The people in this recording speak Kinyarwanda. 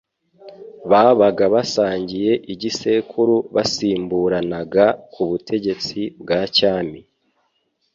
babaga basangiye igisekuru basimburanaga ku butegetsi bwa cyami.